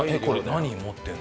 何持ってるの？